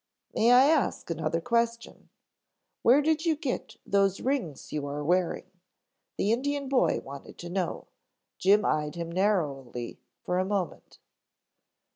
"May I ask another question. Where did you get those rings you are wearing?" the Indian boy wanted to know. Jim eyed him narrowly for a moment.